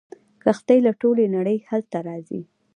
کښتۍ له ټولې نړۍ هلته راځي.